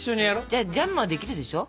じゃあジャムはできるでしょ。